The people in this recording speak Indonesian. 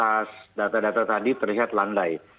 atas data data tadi terlihat landai